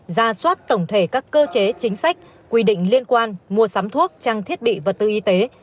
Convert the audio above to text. ra soát tổng thể các cơ chế chính sách quy định liên quan mua sắm thuốc trang thiết bị vật tư y tế